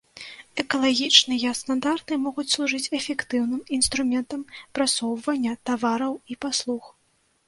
Экалагічныя стандарты могуць служыць эфектыўным інструментам прасоўвання тавараў і паслуг.